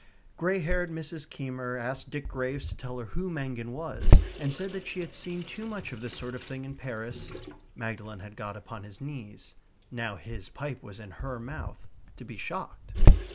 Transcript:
Grey haired Mrs. Keymer asked Dick Graves to tell her who Mangin was, and said that she had seen too much of this sort of thing in Paris (Magdalen had got upon his knees; now his pipe was in her mouth) to be shocked.